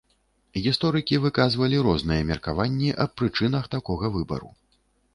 Гісторыкі выказвалі розныя меркаванні аб прычынах такога выбару.